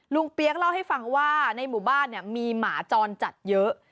เปี๊ยกเล่าให้ฟังว่าในหมู่บ้านเนี่ยมีหมาจรจัดเยอะ